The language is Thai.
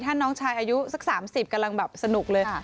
อายุสัก๓๐กำลังแบบสนุกเลย